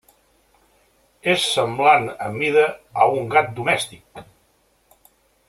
És semblant en mida a un gat domèstic.